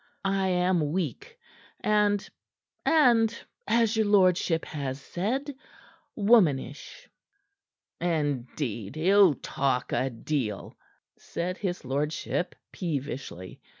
I am weak, and and as your lordship has said womanish." "Indeed, you talk a deal," said his lordship peevishly.